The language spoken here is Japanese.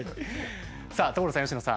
さあ所さん佳乃さん。